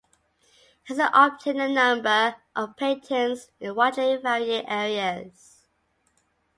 Henson obtained a number of patents in widely varying areas.